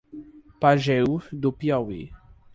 Pajeú do Piauí